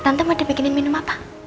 tante mau dibikinin minum apa